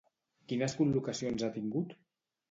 Quines col·locacions ha tingut?